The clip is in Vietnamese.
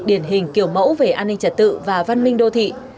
điển hình kiểu mẫu về an ninh trật tự và văn minh đô thị